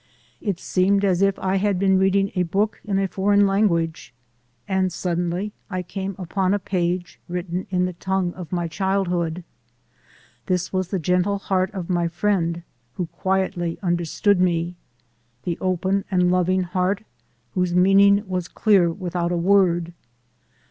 It seemed as if I had been reading a book in a foreign language, And suddenly I came upon a page written in the tongue of my childhood : Phis was the gentle heart of my friend who quietly understood me, The open and loving heart whose meaning was clear without a word.